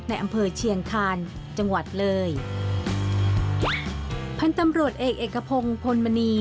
ในอำเภอเชียงคานจังหวัดเลยพันธุ์ตำรวจเอกเอกพงศ์พลมณี